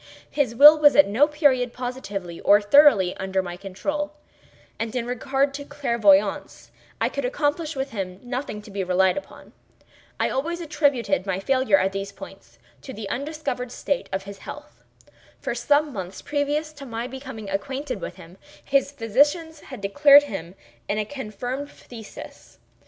His will was at no period positively, or thoroughly, under my control, and in regard to clairvoyance, I could accomplish with him nothing to be relied upon. I always attributed my failure at these points to the disordered state of his health. For some months previous to my becoming acquainted with him, his physicians had declared him in a confirmed phthisis.